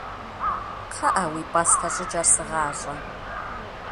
КхъыӀэ, уи пӀастэ щӀыкӀэр сыгъащӀэ!